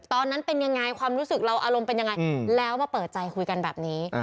ตอนนั้นเป็นยังไงความรู้สึกเราอารมณ์เป็นยังไงแล้วมาเปิดใจคุยกันแบบนี้